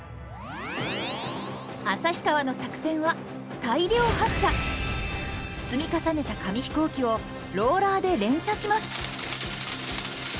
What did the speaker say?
旭川の作戦は積み重ねた紙飛行機をローラーで連射します。